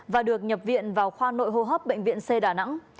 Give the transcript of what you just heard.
và được nhập viện vào khoa nội hô hấp bệnh viện c đà nẵng